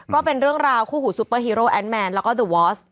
ก็เป็นเรื่องราวคู่หูซูเปอร์ฮีโรแอนดแมนแล้วก็เดอร์วอส